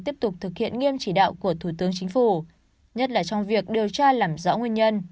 tiếp tục thực hiện nghiêm chỉ đạo của thủ tướng chính phủ nhất là trong việc điều tra làm rõ nguyên nhân